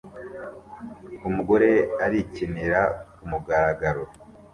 Umugore arikinira kumugaragaro